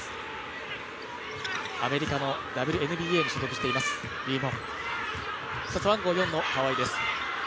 アメリカのＷＮＢＡに所属しています李夢。